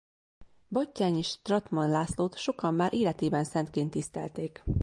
Batthyány-Strattmann Lászlót sokan már életében szentként tisztelték.